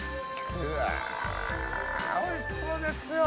うわおいしそうですよ